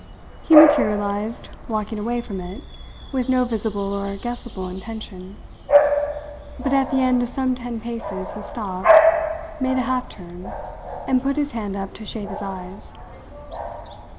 He materialized walking away from it, with no visible or guessable intention; but at the end of some ten paces he stopped, made a half turn, and put his hand up to shade his eyes.